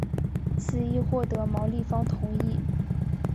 此议获得毛利方同意。